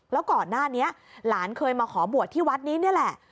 แล้วก่อนหน้านี้หลานเคยมาขอบวชที่วัดนี้นี่แหละ